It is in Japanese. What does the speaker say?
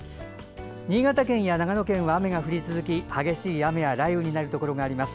新潟県や長野県は雨が降り続き激しい雨や雷雨になるところがあります。